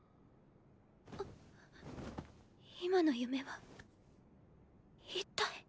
あっ今の夢は一体。